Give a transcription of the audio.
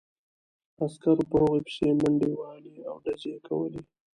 عسکرو په هغوی پسې منډې وهلې او ډزې یې کولې